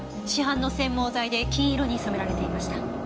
市販の染毛剤で金色に染められていました。